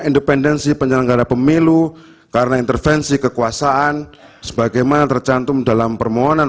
independensi penyelenggara pemilu karena intervensi kekuasaan sebagaimana tercantum dalam permohonan